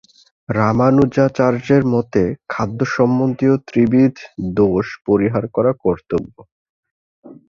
রামানুজাচার্যের মতে খাদ্যসম্বন্ধীয় ত্রিবিধ দোষ পরিহার করা কর্তব্য।